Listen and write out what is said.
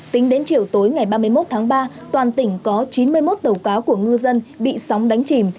tính đến chiều tối ngày ba mươi một tháng ba toàn tỉnh có chín mươi một tàu cá của ngư dân bị sóng đánh chìm